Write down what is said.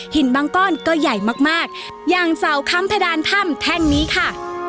บางก้อนก็ใหญ่มากมากอย่างเสาค้ำเพดานถ้ำแท่งนี้ค่ะ